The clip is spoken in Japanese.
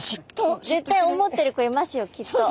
絶対思ってる子いますよきっと。